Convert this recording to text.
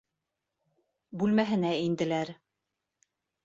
Бүлмәһенә инделәр.